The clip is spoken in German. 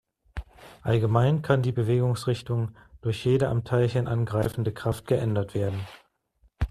Allgemein kann die Bewegungsrichtung durch jede am Teilchen angreifende Kraft geändert werden.